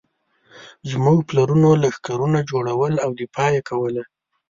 زموږ پلرونو لښکرونه جوړول او دفاع یې کوله.